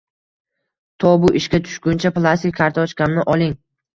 To bu ishga tushguncha plastik kartochkamni oling